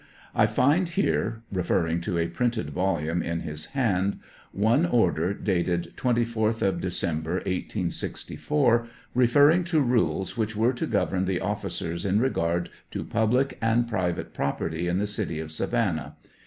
I find here (referring to a printed volume in his hand) one order dated 24th of December, 1864, referr ing to rules which were to govern the oflScers in regard to public and private property in the city of Savannah.